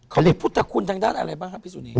เขามีพุทธคุณทางด้านอะไรบ้างครับพี่สุนี